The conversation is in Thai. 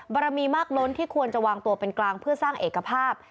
บารมีมากล้นที่ควรจะวางตัวเป็นกลางเพื่อสร้างเอกภาพ